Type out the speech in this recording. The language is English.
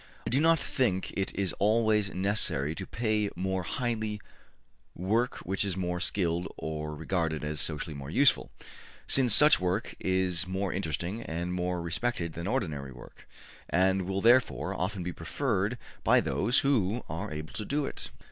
I do not think it is always necessary to pay more highly work which is more skilled or regarded as socially more useful, since such work is more interesting and more respected than ordinary work, and will therefore often be preferred by those who are able to do it.